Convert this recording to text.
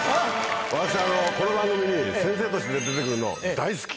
私この番組に先生として出て来るの大好き。